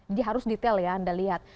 ini harus detail ya anda lihat